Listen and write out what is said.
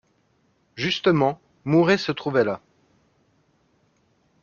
Justement, Mouret se trouvait là.